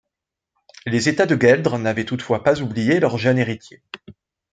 Les États de Gueldre n'avaient toutefois pas oublié leur jeune héritier.